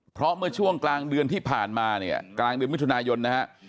เพราะเมื่อช่วงกลางเดือนที่ผ่านมาเนี่ยกลางเดือนมิถุนายนนะฮะ